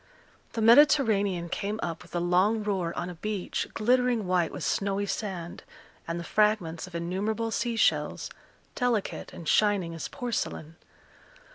The Mediterranean came up with a long roar on a beach glittering white with snowy sand, and the fragments of innumerable sea shells, delicate and shining as porcelain.